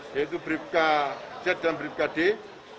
yaitu brigadir z dan brigadir d